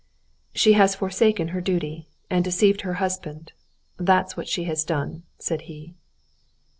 "She has forsaken her duty, and deceived her husband. That's what she has done," said he.